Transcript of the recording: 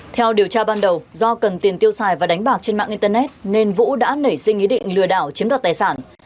theo điều tra ban đầu do cần tiền tiêu xài và đánh bạc trên mạng internet nên vũ đã nảy sinh ý định lừa đảo chiếm đoạt tài sản